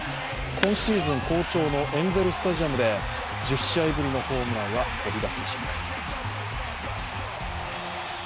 今シーズン好調のエンゼルスタジアムで１０試合ぶりのホームランは飛び出すでしょうか。